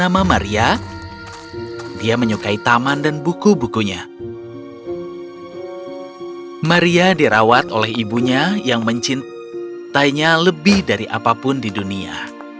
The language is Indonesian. maria dirawat oleh ibunya yang mencintainya lebih dari apapun di dunia